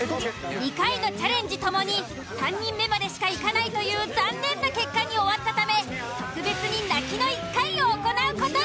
２回のチャレンジともに３人目までしかいかないという残念な結果に終わったため特別に泣きの１回を行う事に！